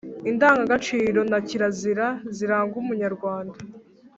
indangagaciro na kirazira ziranga umunyarwanda